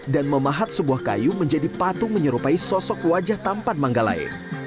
dan memahat sebuah kayu menjadi patung menyerupai sosok wajah tampan manggalai